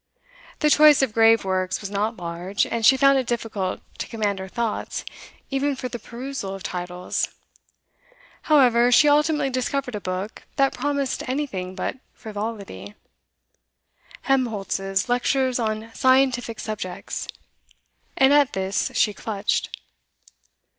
The choice of grave works was not large, and she found it difficult to command her thoughts even for the perusal of titles; however, she ultimately discovered a book that promised anything but frivolity, Helmholtz's 'Lectures on Scientific Subjects,' and at this she clutched.